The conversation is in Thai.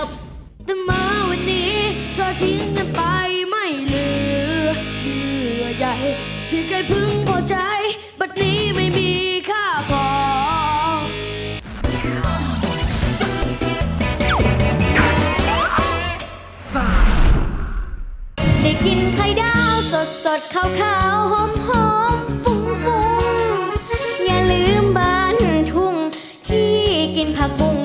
บัตรนี้ไม่มีข้าพอ